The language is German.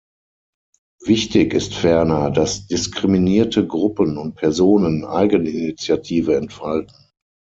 Wichtig ist ferner, dass diskriminierte Gruppen und Personen Eigeninitiative entfalten.